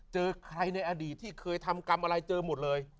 เจอใครในอดีตที่เคยทำกรรมอะไรเจอหมดเลย